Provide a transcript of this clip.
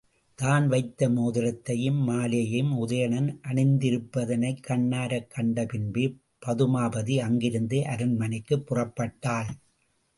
தான் வைத்த மோதிரத்தையும் மாலையையும் உதயணன் அணிந்திருப்பதனைக் கண்ணாரக் கண்டபின்பே பதுமாபதி அங்கிருந்து அரண்மனைக்குப் புறப்பட்டாள்.